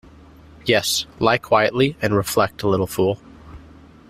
Yes, lie quietly and reflect, little fool!